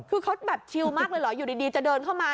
คือเขาแบบชิลมากเลยเหรออยู่ดีจะเดินเข้ามา